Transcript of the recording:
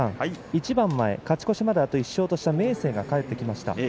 勝ち越しまであと１勝とした明生が帰ってきました。